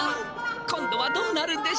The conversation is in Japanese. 今度はどうなるでしょう。